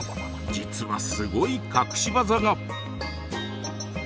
実はすごい隠し技が！